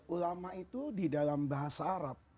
ulama itu di dalam bahasa arab